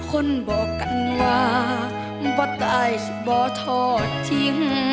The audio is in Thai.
หวังว่าเจอแบบนี้